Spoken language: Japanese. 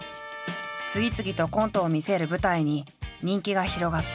次々とコントを見せる舞台に人気が広がった。